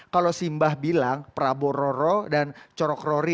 kalau simbah bilang prabororo dan jokowi